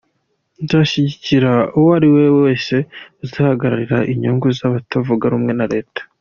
Nzashyigikirra uwo ari we wese uzahagararira inyungu z’abatavuga rumwe na Leta.”